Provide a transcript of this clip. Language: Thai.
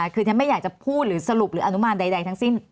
คือฉันไม่อยากจะพูดหรือสรุปหรืออนุมานใดทั้งสิ้น